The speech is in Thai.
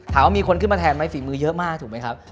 ถามว่ามีคนขึ้นมาแทนไหมฝีมือเยอะมากถูกไหมครับ